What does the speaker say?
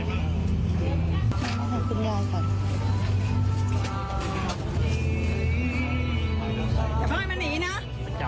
อย่าปล่อยมาหนีนะ